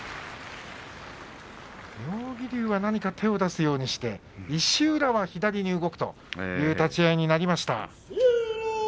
妙義龍は何か手を出すようにして石浦は左に動くという立ち合いになりました。